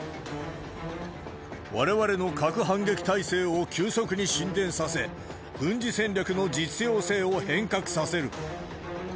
われわれの核反撃態勢を急速に進展させ、軍事戦略の実用性を変革させる。